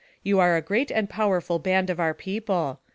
You are a great and powerful band of our people.